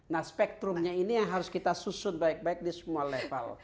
nah spektrumnya ini yang harus kita susun baik baik di semua level